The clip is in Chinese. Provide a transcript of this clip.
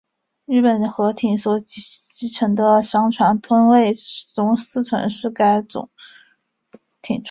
日本潜艇所击沉的商船吨位中四成是该种艇创下。